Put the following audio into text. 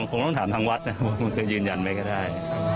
ผมต้องถามทางวัฒน์ว่าคือยืนยันไหมก็ได้